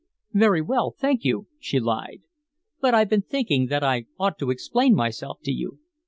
"Very well, thank you," she lied, "but I've been thinking that I ought to explain myself to you."